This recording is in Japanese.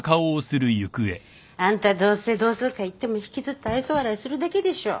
あんたどうせ同窓会行っても引きつった愛想笑いするだけでしょ。